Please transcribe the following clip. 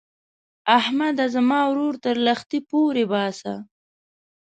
احمده؛ زما ورور تر لښتي پورې باسه.